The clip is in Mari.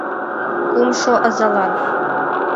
Кумшо азалан.